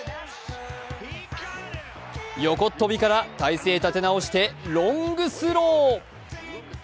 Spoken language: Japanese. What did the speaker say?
横っ飛びから体勢立て直してロングスロー！